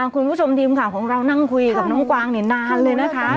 คุณผู้ชมทีมข่าวของเรานั่งคุยกับน้องกวางนานเลยนะคะ